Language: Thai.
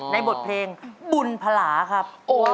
ในบทเพลงบุญพลาครับ